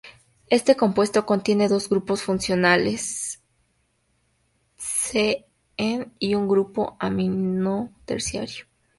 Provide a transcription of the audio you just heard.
Este compuesto contiene dos grupos funcionales C≡N y un grupo amino terciario.